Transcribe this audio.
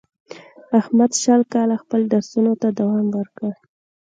احمد شل کاله خپلو درسونو ته دوام ورکړ.